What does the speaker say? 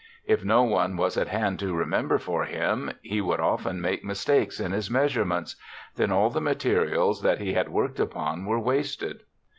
If no one was at hand to remember for him, he would often make mis takes in his measurements; then all the materials that he had worked upon were wasted.